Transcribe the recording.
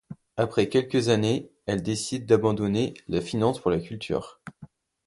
Après quelques années, elle décide d'abandonner la finance pour la culture.